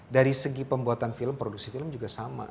dari segi pembuatan film produksi film juga sama